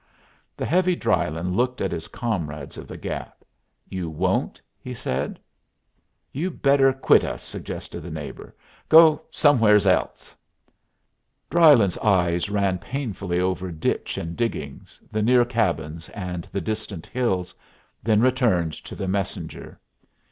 The heavy Drylyn looked at his comrades of the Gap. "You won't?" he said. "You better quit us," suggested the neighbor. "Go somewheres else." Drylyn's eyes ran painfully over ditch and diggings, the near cabins and the distant hills, then returned to the messenger.